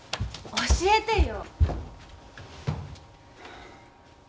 教えてよ！